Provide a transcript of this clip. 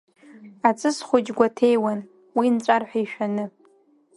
Аҵыс хәыҷ гәаҭеиуан, уи нҵәар ҳәа ишәаны.